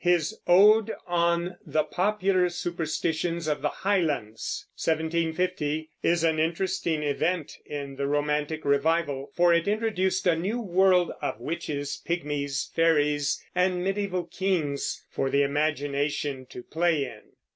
His "Ode on the Popular Superstitions of the Highlands" (1750) is an interesting event in the romantic revival, for it introduced a new world, of witches, pygmies, fairies, and mediæval kings, for the imagination to play in.